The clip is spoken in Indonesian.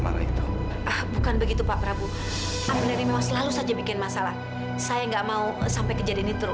mungkin rizky nggak ngerti kalau bando ini memang buat jahira